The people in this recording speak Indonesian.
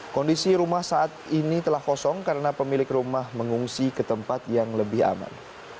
kondisi rumah saat ini telah kosong karena pemilik rumah mengungsi ke tempat yang lebih aman